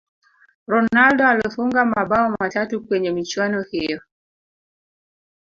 ronaldo alifunga mabao matatu kwenye michuano hiyo